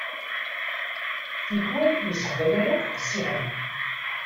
Tikwal nessexdam ayen akk qessiḥen.